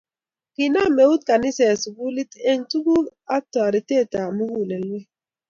Kinam eut kaniset sukulit eng tukuk ang taretet ab mugulelwek